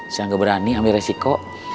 siang gak berani ambil resiko